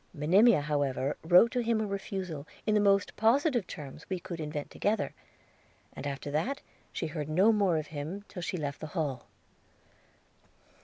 Monimia, however, wrote to him a refusal, in the most positive terms we could invent together; and after that she heard no more of him till she left the Hall.'